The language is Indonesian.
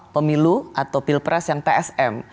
pemilu atau pilpres yang tsm